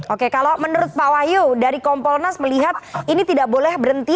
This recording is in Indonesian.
oke kalau menurut pak wahyu dari kompolnas melihat ini tidak boleh berhenti